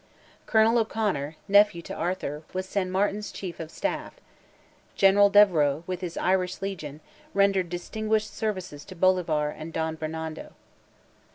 Colonel O'Conor, nephew to Arthur, was San Martin's chief of the staff; General Devereux, with his Irish legion, rendered distinguished services to Bolivar and Don Bernardo.